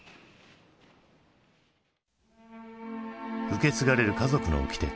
受け継がれる家族のおきて。